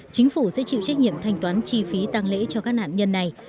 chính phủ sẽ chịu trách nhiệm thanh toán chi phí tăng lễ cho các nạn nhân này